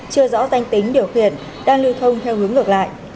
chưa rõ danh tính điều khiển đang lưu thông theo hướng ngược lại